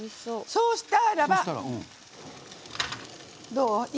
そうしたらば、どう？